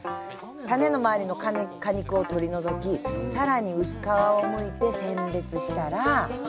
種の周りの果肉を取り除きさらに薄皮をむいて選別したら。